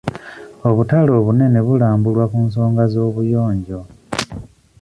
Obutale obunene bulambulwa ku nsonga z'obuyonjo.